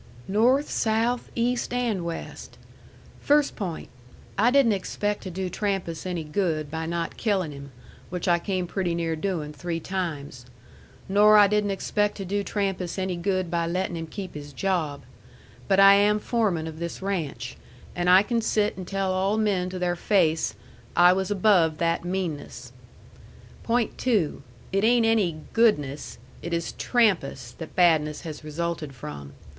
"North, south, east, and west. First point. I didn't expect to do Trampas any good by not killin' him, which I came pretty near doin' three times. Nor I didn't expect to do Trampas any good by lettin' him keep his job. But I am foreman of this ranch. And I can sit and tell all men to their face: 'I was above that meanness.' Point two: it ain't any GOODNESS, it is TRAMPAS that badness has resulted from.